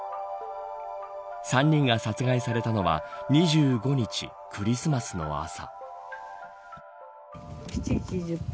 ３人が殺害されたのは２５日、クリスマスの朝。